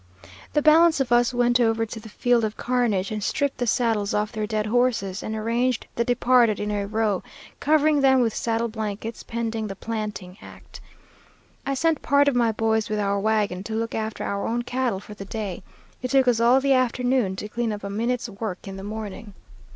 "The balance of us went over to the field of carnage and stripped the saddles off their dead horses, and arranged the departed in a row, covering them with saddle blankets, pending the planting act. I sent part of my boys with our wagon to look after our own cattle for the day. It took us all the afternoon to clean up a minute's work in the morning.